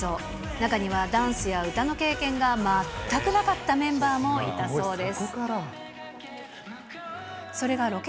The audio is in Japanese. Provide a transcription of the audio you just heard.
中にはダンスや歌の経験が全くなかったメンバーもいたそうです。